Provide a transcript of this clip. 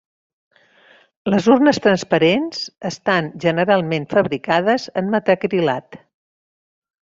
Les urnes transparents estan generalment fabricades en metacrilat.